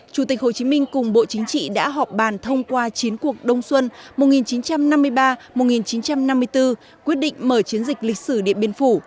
chủ tịch hồ chí minh cùng bộ chính trị đã họp bàn thông qua chiến cuộc đông xuân một nghìn chín trăm năm mươi ba một nghìn chín trăm năm mươi bốn quyết định mở chiến dịch lịch sử điện biên phủ